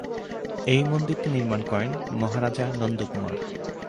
এই মন্দিরটি নির্মাণ করেন মহারাজা নন্দকুমার।